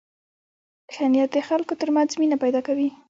ښه نیت د خلکو تر منځ مینه پیدا کوي.